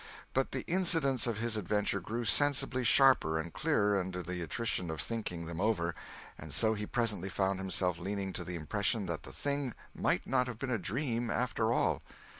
But the incidents of his adventure grew sensibly sharper and clearer under the attrition of thinking them over, and so he presently found himself leaning to the impression that the thing might not have been a dream, after all.